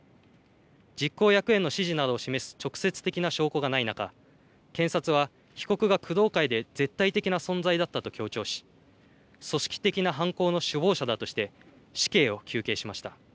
実行役への指示などを示す直接的な証拠がない中、検察は、被告が工藤会で絶対的な存在だったと強調し組織的な犯行の首謀者だとして死刑を求刑しました。